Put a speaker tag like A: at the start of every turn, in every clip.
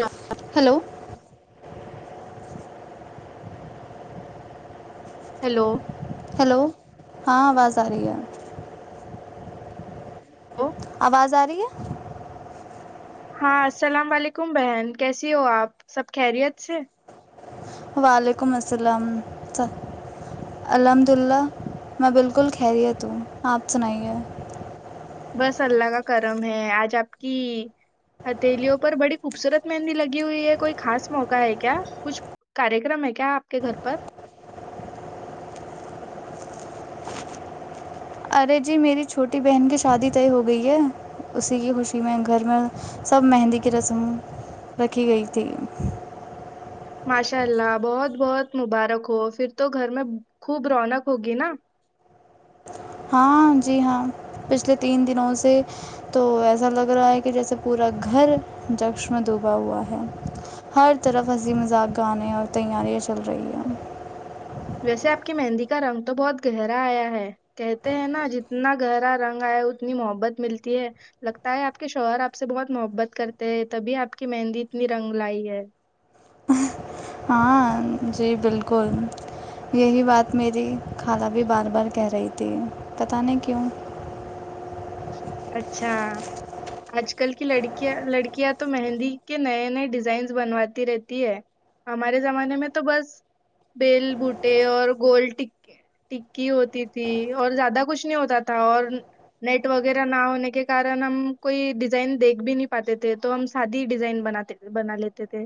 A: [inaudible]
B: hello
A: hello
B: hello ہاں آواز آ رہی ہے آواز آ رہی ہے
A: ہاں السلام علیکم بہن کیسی ہو آپ سب خیریت سے
B: وعلیکم السلام الحمد للہ میں بالکل خیریت ہوں آپ سنائیے
A: بس اللہ کا کرم ہے آج آپ کی ہتھیلیوں پر بڑی خوبصورت مہندی لگی ہوئی ہے کوئی خاص موقع ہے کیا کچھ کار کررم ہے کیا آپ کے گھر پر
B: ارے جی میری چھوٹی بہن کی شادی طے ہو گئی ہے اسی کی خوشی میں گھر میں سب مہندی کی رسم رکھی گئی تھی
A: ماشاء اللہ بہت بہت مبارک ہو پھر تو گھر میں خوب رونق ہوگی نا
B: ہاں جی ہاں پچھلے تین دنوں سے تو ایسا لگ رہا ہے کہ جیسے پورا گھر جکش میں ڈوبا ہوا ہے ہر طرف ہنسی مذاق گانے اور تیاریاں چل رہی ہیں
A: ویسے آپ کی مہندی کا رنگ تو بہت گہرا آیا ہے کہتے ہیں نا جتنا گہرا رنگ آیا اتنی محبت ملتی ہے لگتا ہے آپ کے شوہر آپ سے بہت محبت کرتے ہیں تبھی آپ کی مہندی اتنی رنگ لائی ہے
B: ہاں جی بالکل یہی بات میری خھالہ بھی بار بار کہہ رہی تھی پتاہ نہیں کیوں
A: اچھا آج کل کی لڑکیاں لڑکیاں تو مہندی کے نئے نئے ڈیزائنس بنواتی رہتی ہے ہمارے زمانے میں تو بس بیل بوٹے اور گول ٹکی ہوتی تھی اور زیادہ کچھ نہیں ہوتا تھا اور نیٹ و وغیرہ نہ ہونے کے کن ہم کوئی ڈیزائن دیکھ بھی نہیں پاتے تھے تو ہم سادی ڈیزائن بنات بنا لیتے تھے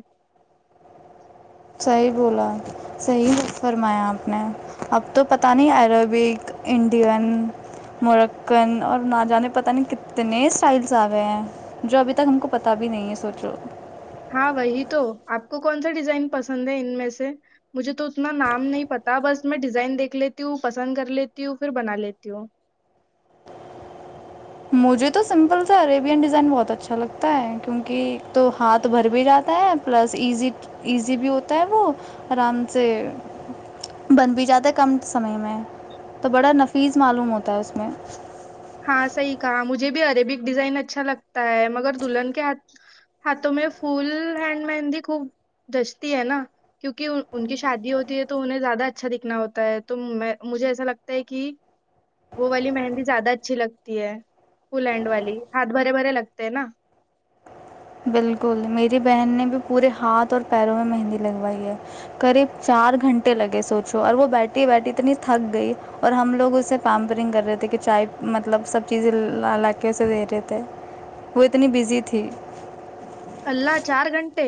B: صحیح بولا صحیح فرمایا آپ نے اب تو پت نہیں عربک انڈین مرکن اور نہ جانے پتتا نہیں کتنے اسٹائلس آ گئے ہیں جو ابھی تک ہم کو پتہ بھی نہیں ہے سوچ لو
A: ہاں وہی تو آپ کو کون سا ڈیزائن پسند ہے ان میں سے مجھے تو اتنا نام نہیں پتا بس میں ڈیزائن دیکھ لیتی ہوں پسند کر لیتی ہوں پھر بنا لیتی ہوں
B: مجھے تو سمپل سے عریبین ڈیزائن بہت اچھا لگتا ہے کیونکہ ایک تو ہاتھ بھر بھی جاتا ہے پلس ایزی ایزی بھی ہوتا ہے وہ آرام سے بن بھی جاتا ہے کم سمے میں تو بڑا نفیس معلوم ہوتا ہے اس میں
A: ہاں صحیح کہا مجھے بھی اربک ڈیزائن اچھا لگتا ہے مگر دلہن کے ہاتھوں میں فل ہینڈ مہندی خوب دجتی ہے نا کیوںکہ ان کی شادی ہوتی ہے تو انہیں زیادہ اچھا دکھنا ہوتا ہے تو مجھے ایسا لگتا ہے کہ وہ والی مہندی زیادہ اچھی لگتی ہے پل ہینڈ والی ہاتھ بھرے بھرے لگتے ہیں نا
B: بالکل میری بہن نے بھی پورے ہاتھ اور پیروں میں مہندی لگوائی ہے قریب چار گھنٹے لگے سوچو اور وہ بیٹھی بیٹھی اتنی تھک گئی اور ہم لوگ اسے پیمپرنگ کر رہے تھے کہ چائے مطلب سب چیزیں لا کے اسے دے رہے تھے وہ اتنی بزی تھی
A: اللہ چار گھنٹے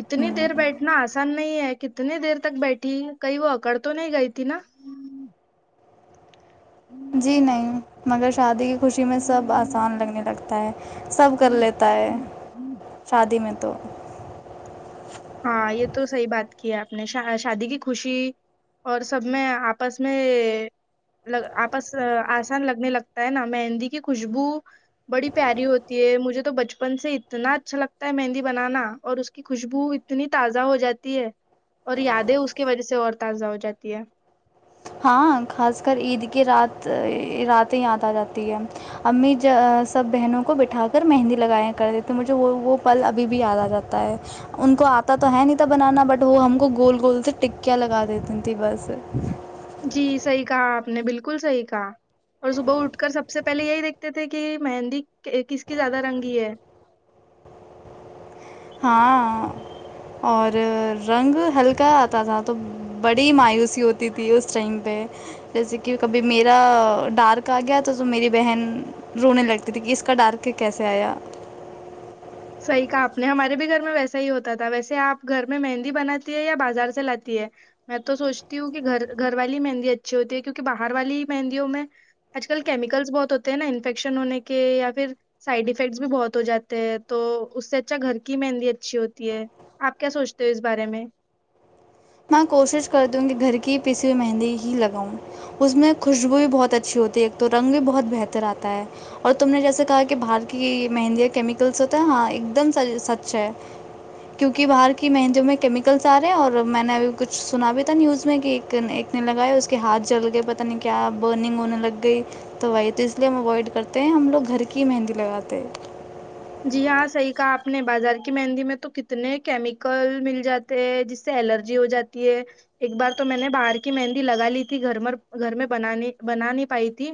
A: اتنی
B: ہوں
A: دیر بیٹھنا آج پسان نہیں ہے کتنی دیر تک بیٹھی کئی وہ اکڑ تو نہیں گئی تھی نا
B: جی نہیں مگر شادی خوشی میں سب آسان لگنے لگتا تائیں [unintelligible] سب کر
A: ہوں
B: لیتا ہے
A: ہ ہ
B: شادی میں تو
A: ہاں یہ تو صحی بات کیا اپ نے شادی کی خوشی اور سب میں آپس میں آپس آسان لگنے لگتا ہے نا مہندی کی خوشبو بڑی پیاری ہوتی ہے مجھے تو بچپن سے اتنا اچھا لگتا ہے مہندی بنانا اور اس کی خوشبو اتنی تازہ ہو جاتی ہے اور یادیں اس کی وجہ سے اور تازہ ہو جاتی ہے
B: ہاں خاص کر عید کی رات راتیں یاد آ جاتی ہے امی سب بہنوں کو بٹھا کر مہندی لگائیایں کر دیتی مجھے وہ وہ پھل ابھی بھی یاد آ جاتا ہے ان کو آتا تو ہے نہیں تھا بنانا بٹ وہ ہم کو گول گول سے ٹکیاں لگا دیتی تھیں بس
A: جی صحی کہا آپ نے بالکل صحیح کہا اور صبح اٹھ کر سب سے پہلے یہی دیکھتے تھے کہ مہندی کس کی زیادہ رنگی ہے
B: ہاں اور رنگ ہلکا اتا تھا تو بڑی مایوسی ہوتی تھی اس ٹائم پہ جیسے کہ کبھی میرا ڈارک ا گیا تو تم میری بہن رونے لگتی تھی اس کا ڈر کے کیسے ایا
A: صحیح کہا آپ نے ہمارے بھی گھر میں ویسا ہی ہوتا تھا ویسے آپ گھر میں مہندی بناتی ہے یا بازار سے لاتی ہے میں تو سوچتی ہوں کہ گھر گھر والی مہندی اچھی ہوتی ہے کیوںکہ باہر والی مہندیوں میں آج کل کیمیکلس بہت ہوتے ہیں نا انفیکشن ہونے کے یا پھر سائڈ افیکٹس بھی بہت ہو جاتے ہیں تو اس سے اچھا گھر کی مہندی اچھی ہوتی ہے آپ کیا سوچتے ہو اس بارے میں
B: میں کوشش کرتی ہوں کہ گھر کی پیسی ہوئی مہندی ہی لگاؤں اس میں خوشبو بھی بہت اچھی ہوتی ہے ایک تو رنگ بھی بہت بہتر آتا ہے اور تم نے جیسے کہا کہ باہر کی مہندیا کیمیکلس ہوتا ہیں ہاں ایک دم سچ ہے کیونکہ باہر کی مہندیوں میں کیمیکلس آ رہے ہیں اور میں نے ابھی کچھ سنا بھی تھا نہیں اس میں کہ ایک ایک نے لگائے اس کے ہاتھ جل گئے پت نہیں کیا برننگ ہونے لگ گئی تو وہی تو اس لیے ہم اوائڈ کرتے ہیں ہم لوگ گھر کی ہی مہندی لگاتے ہیں
A: جی ہاں صحیح کہا آپ نے بازار کی مہندی میں تو کتنے کیمیکل مل جاتے ہیں جس سے الرجی ہو جاتی ہے ایک بار تو میں نے باہر کی مہندی لگا لی تھی گھر گھر میں بانی بنا نہیں پائی تھی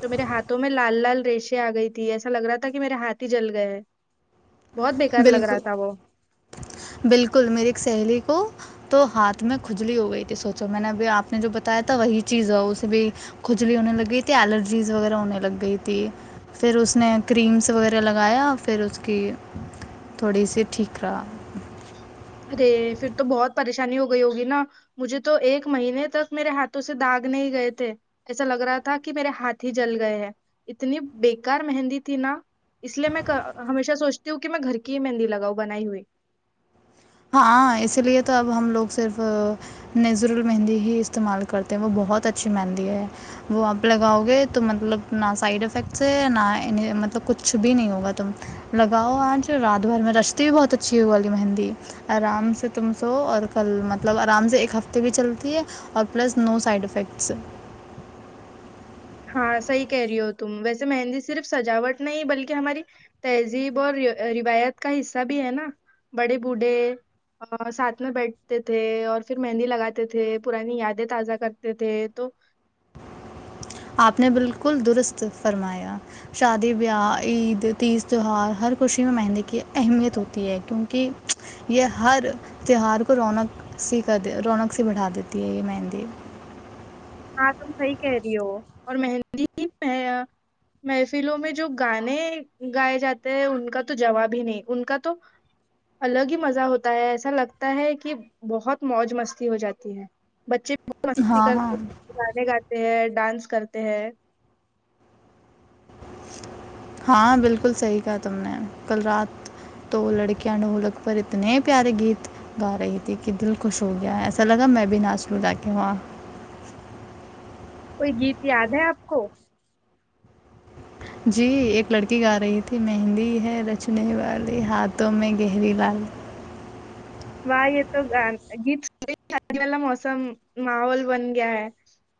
A: تو میرے ہاتھوں میں لال لال ریشے آ گئی تھی ایسا ل رہا تھا کہ میرے ہاتھ ہی جل گیا گئے بہت بیکار لگ رہا
B: بالکل
A: تھا وہ
B: بالکل میری ایک سہیلی کو تو ہاتھ میں کھجلی ہو گئی تھی سوچو میں نے ابھی آپ نے جو بتایا تھا وہی چیز ہو اسے بھی کھجلی ہونے لگ گئی تھی الرجیز وغیرہ ہونے لگ گئی تھی پھر اس نے کریمس وغیرہ لگایا پھر اس کی تھوڑی سی ٹھیک کرا
A: ارے پھر تو بہت پریشانی ہو گئی ہوگی نا مجھے تو ایک مہینے تک میرے ہاتھوں سے داغ نہیں گئے تھے ایسا لگ رہا تھا کہ میرے ہاتھ ہی جل گئے ہیں اتنی بےیکار مہندی تھی نا اس لیے میں ہمیشہ سوچتی ہوں کہ میں گھر کی ہی مہندی لگاؤ بنائی ہوئی
B: ہاں اسی لیے تو اب ہم لوگ صرف نیزرل مہندی ہی استعمال کرتے ہیں وہ بہت اچھی مہندی ہے وہ اب لگاؤ گے تو مطلب نہ سائڈ افیکٹس ہے نہ ان مطلب کچھ بھی نہیں ہوگا تم لگاؤ آج رات بھر میں رشتے بھی بہت اچھی ہو والی مہندی آرام سے تم سو اور کل مطلب آرام سے ایک ہفتے بھی چلتی ہے اور پلس نو سائڈ افیکٹس
A: ہاں صحیح کہہ رہی ہو تم ویسے مہندی صرف سجاوٹ نہیں بلکہ ہماری تہذیب اور روایت کا حصہ بھی ہے نا بڑے بوڑھے ساتھ میں بیٹھتے تھے اور پھر مہندی لگاتے تھے پرانی یادیں تازہ کرتے تھے تو
B: آپ نے بالکل درست فرمایا شادی بیاہ عید تیز تہوار ہر خوشی میں مہندی کی اہمیت ہوتی ہے کیونکہ یہ ہر تہوار کو رونق سی کر رونق سی بڑھا دیتی ہے یہ مہندی
A: ہاں تم صحیح کہہ رہی ہو اور مہندی محفلوں میں جو گانے گائے جاتے ہیں ان کا تو جواب ہی نہیں ان کا تو الگ ہی مزہ ہوتا ہے ایسا لگتا ہے کہ بہت موج مستی ہو جاتی ہے بچے بھی مستی
B: ہاں ہاں
A: کرتے گانے گاتے ہیں ڈانس کرتے ہیں
B: ہاں بالکل صحی کہا تم نے کل رات تو لڑکیاں ڈھولک پر اتنے پیارے گیت گا رہی تھی کہ دل خوش ہو گیا ہے ایسا لگا میں بھی ناچ لوں جا کے وہاں
A: کوئی گیت یاد ہے آپ کو
B: جی ایک لڑکی گا رہی تھی مہندی ہے رچنے والی ہاتھوں میں گہری لال
A: واہ یہ تو گان گیت س شادی والا موسم ماحول بن گیا ہے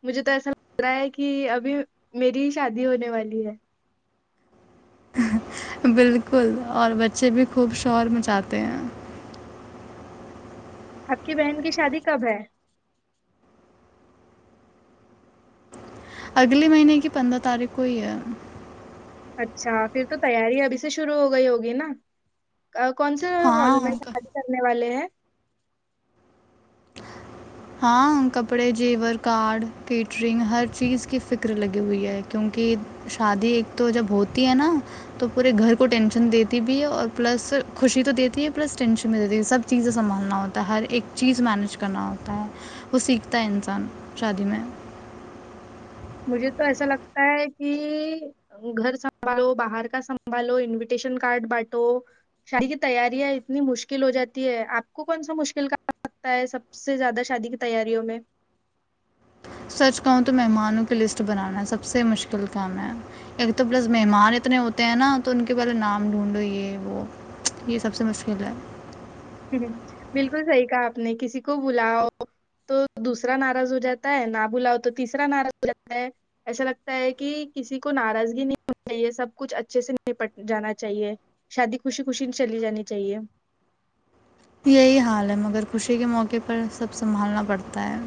A: مجھے تو ایسا لگ رہا ہے کہ ابھی میری ہی شادی ہونے والی ہے
B: بالکل اور بچے بھی خوب شہور مچاتے ہیں
A: آپ کی بہن کی شادی کب ہے
B: اگلے مہینے کی پندرہ تاریخ کو ہی ہے
A: اچھا پھر تو تیاری ابھی سے شروع ہو گئی ہوگی نا کون سے ہال
B: ہاں
A: میں
B: ان کا
A: تاریی کرنے والے ہیں
B: ہاں کپڑے زیور کارڈ کیٹرنگ ہر چیز کی فکر لگی ہوئی ہے کیونکہ شادی ایک تو جب ہوتی ہے نا تو پورے گھر کو ٹینشن دیتی بھی ہے اور پلس خوشی تو دیتی ہے پلس ٹینشن بھی دیتی سب چیزیں سنبھالنا ہوتا ہے ہر ایک چیز مینیج کرنا ہوتا ہے وہ سیکھتا ہے انسان شادی میں
A: مجھے تو ایسا لگتا ہے کہ گھر سنبھالو باہر کا سنبھالو انویٹیشن کارڈ بانٹو شادی کی تیاریاں اتنی مشکل ہو جاتی ہے آپ کو کون سا مشکل کا سکتا ہے سب سے زیادہ شادی کی تیاریوں میں
B: سچ کہوں تو مہمانوں کی لسٹ بنانا سب سے مشکل کام ہے ایک تو پلس مہمان اتنے ہوتے ہیں نا تو ان کے پہلے نام ڈھونڈو یہ وہ یہ سب سے مشکل ہے
A: ہ بالکل صحیح کہا آپ نے کسی کو بلاؤ تو دوسرا ناراض ہو جاتا ہے نہ بلاؤ تو تیسرا ناراض ہو جاتا ہے ایسا لگتا ہے کہ کسی کو ناراضگی نہیں ہو چاہیے سب کچھ اچھے سے نپٹ جانا چاہیے شادی خوشی خوشی چلی جانی چاہیے
B: یہی حال ہے مگر خوشی کے موقع پر سب سنبھالنا پڑتا ہے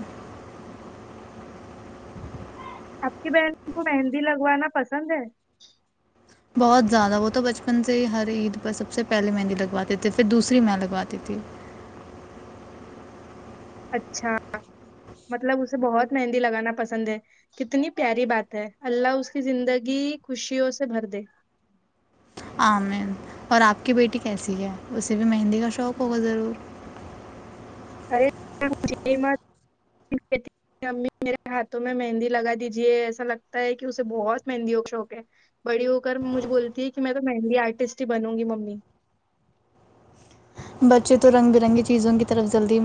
A: آپ کی بہن کو مہندی لگوانا پسند ہے
B: بہت زیادہ وہ تو بچپن سے ہی ہر عید پر سب سے پہلیے مہندی لگواتے تھے پھر دوسری م لگواتی تھی
A: اچھا مطلب اسے بہت مہندی لگانا پسند ہے کتنی پیاری بات ہے اللہ اس کی زندگی خوشیوں سے بھر دے
B: عمین اور آپ کی بیٹی کیسی ہے اسے بھی مہندی کا شوق ہوگا ضرور
A: ارے امی میرے ہاتھوں میں مہندی لگا دیجیے ایسا لگتا ہے کہ اسے بہت مہندیوں کا شوق ہے بڑی ہو کر مجھے بولتی ہے کہ میں تو مہندی آرٹسٹ ہی بنوں گی ممی
B: بچے تو رنگ برنگی چیزوں کی طرف جلدی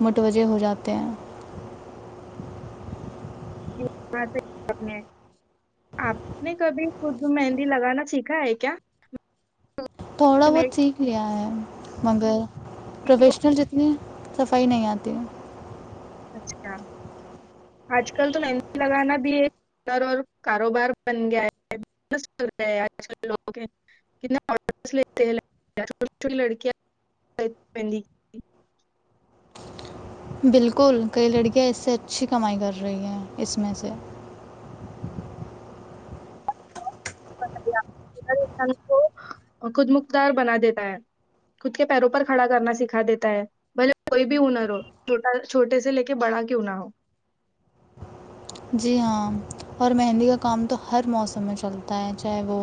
B: متوجہ ہو جاتے ہیں
A: نے آپ نے کبھی خود مہندی لگانا سیکھا ہے کیا
B: تھوڑا بہت سیکھ لیا ہے مگر پروفیشنل ج ا صفائی نہیں آتی ہے
A: اچھا آج کل تو مہندی لگانا بھی ایکر اور کاروبار بن گیا ہےیا لوگت لیتے لڑکیاں مہندی
B: بالکل کئی لڑکیاں اس سے اچھی کمائی کر رہی ہیں اس میں سے
A: ہ انسان کو خود مختار بنا دیتا ہے خود کے پیروں پر کھڑا کرنا سکھا دیتا ہے بھلے کوئی بھی ہنر ہوو چھوٹے سے لے کے بڑا کیوں نہ ہو
B: جی ہاں اور مہندی کا کام تو ہر موسم میں چلتا ہے چاہے وہ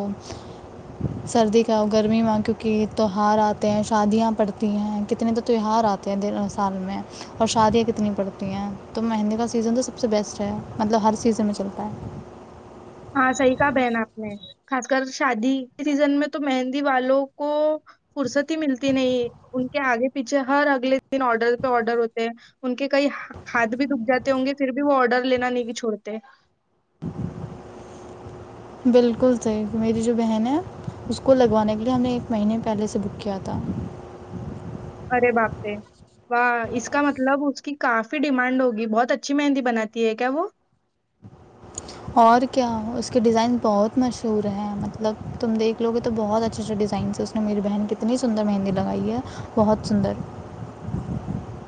B: سردی کا ہو گرمی میں کیونکہ تہوہار آتے ہیں شادیاں پڑتی ہیں کتنے تو تہوہار آتے ہیں سال میں اور شادیاں کتنی پڑتی ہیں تو مہندی کا سیزن تو سب سے بیسٹ مطلب ہر چیزن میں چلتا ہے
A: ہاں صحیح کا بہن آپ نے خاص کر شادی سیزن میں تو مہندی والوں کو فرصتی ہی ملتی نہیں ان کے آگے پیچھے ہر اگلے دن آڈر پہ آڈر ہوتے ہیں ان کے کئی ہاتھ بھی دب جاتے ہوں گے پھر بھی وہ آڈر لینا نہیں چھوڑتے
B: بلکل صاحب میری بات ہے اسے لگانے کے لیے ہمیں ایک ماہ پہلے سے کتاب کیا تھا
A: ے باپے واہ اس کا مطلب اس کی کافی ڈیمانڈ ہوگی بہت اچھی مہندی بناتی ہے کیا وہ
B: اور کیا اس کے ڈیزائنس بہت مشہور ہیں مطلب تم دیکھ لو گے تو بہت اچھے اچھے ڈیزائنس ہیں اس نے میری بہن کی اتنی سندر مہندی لگائی ہے بہت سندر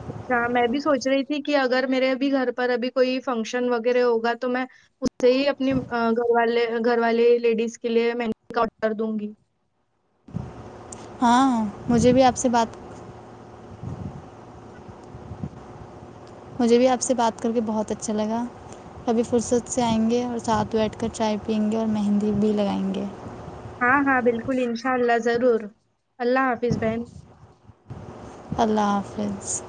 A: اچھا میں بھی سوچ رہی تھی کہ اگر میرے اب گھر پر ابھی کوئی فنکشن وغیرہ ہوگا تو میں اس سے ہی اپنی گھر والے گھر والے لیڈیز کے لیے مینگو کا آڈر دوں گی
B: ہاں مجھے بھی آپ سے بات مجھے بھی آپ سے بات کر کے بہت اچھا لگا کبھی فرصت سے آئیں گے اور ساتھ میں بیٹھ کر چائے پئیں گے اور مہندی بھی لگائیں گے
A: ہاں ہاں بالکل انشاء اللہ ضرور اللہ حافظ بہن
B: اللہ حافظ